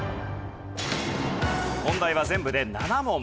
問題は全部で７問。